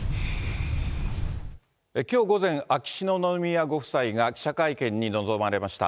きょう午前、秋篠宮ご夫妻が記者会見に臨まれました。